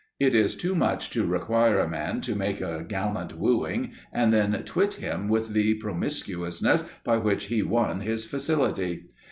It is too much to require a man to make a gallant wooing and then twit him with the "promiscuousness" by which he won his facility.